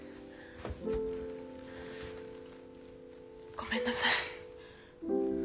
ごめんなさい。